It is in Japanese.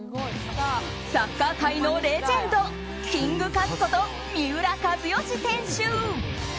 サッカー界のレジェンドキングカズこと三浦知良選手。